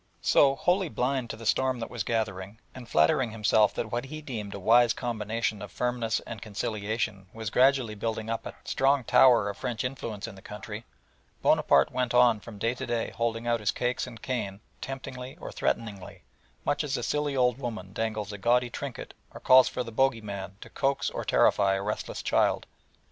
So, wholly blind to the storm that was gathering, and flattering himself that what he deemed a wise combination of firmness and conciliation was gradually building up a strong tower of French influence in the country, Bonaparte went on from day to day holding out his cakes and cane temptingly or threateningly, much as a silly old woman dangles a gaudy trinket or calls for the bogie man to coax or terrify a restless child.